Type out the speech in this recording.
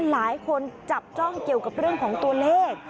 หลายคนจับจ้องเกี่ยวกับเรื่องของตัวเลข